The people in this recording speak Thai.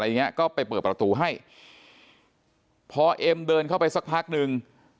ให้ก้าวอะไรอย่างนี้ก็ไปเปิดประตูให้พอเอ็มเดินเข้าไปสักพักหนึ่ง